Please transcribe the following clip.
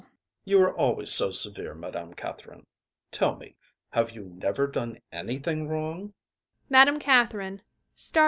You are always so severe, Madame Catherine. Tell me: have you never done anything wrong?